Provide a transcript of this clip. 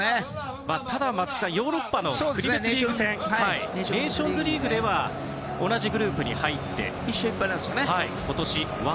ただ、ヨーロッパの国別リーグ戦ネーションズリーグでは同じグループに入って。